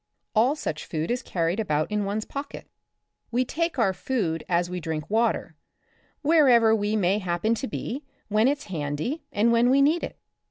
All such food is carried about in one's pocket. We take our food as we drink water, wherever we may happen to be, when it's handy and when we need it.